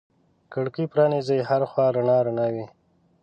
کړکۍ پرانیزې هر خوا رڼا رڼا وي